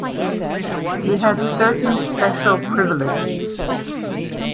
He had certain special privileges.